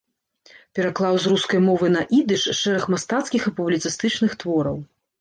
Пераклаў з рускай мовы на ідыш шэраг мастацкіх і публіцыстычных твораў.